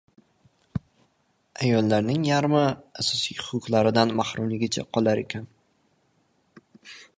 Ayollarning yarmi asosiy huquqlaridan mahrumligicha qolar ekan